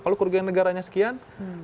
kalau kerugian negaranya sekian